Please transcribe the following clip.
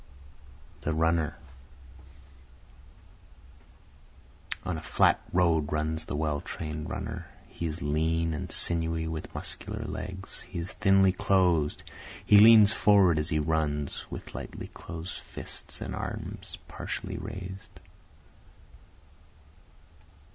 The Runner On a flat road runs the well train'd runner, He is lean and sinewy with muscular legs, He is thinly clothed, he leans forward as he runs, With lightly closed fists and arms partially rais'd.